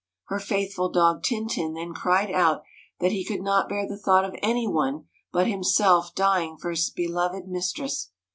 Her faithful dog Tintin then cried out that he could not bear the thought of any one but himself dying for his beloved mistress.